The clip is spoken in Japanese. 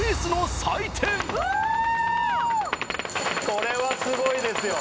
これはすごいですよ・